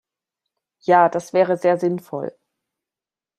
Ja, das wäre sehr sinnvoll.